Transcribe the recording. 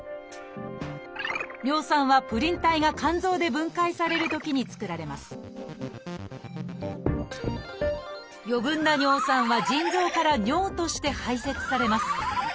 尿酸は「プリン体」が肝臓で分解されるときに作られます余分な尿酸は腎臓から尿として排せつされます